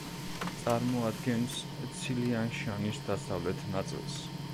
წარმოადგენს ცილიანშანის დასავლეთ ნაწილს.